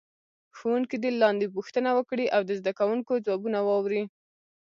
ښوونکی دې لاندې پوښتنه وکړي او د زده کوونکو ځوابونه واوري.